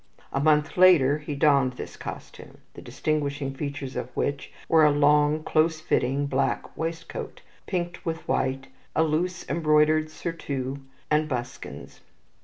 A month later he donned this costume, the distinguishing features of which were a long, close fitting, black waistcoat, pinked with white, a loose embroidered surtout, and buskins.